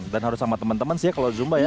dan harus sama teman teman sih ya kalau zumba ya